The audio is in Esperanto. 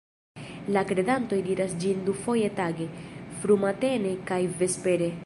La kredantoj diras ĝin dufoje tage, frumatene kaj vespere.